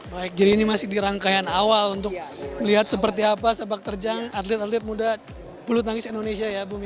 baik jadi ini masih di rangkaian awal untuk melihat seperti apa sepak terjang atlet atlet muda bulu tangkis indonesia ya bumi